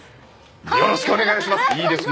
よろしくお願いします。